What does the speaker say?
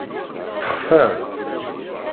Ttexfan.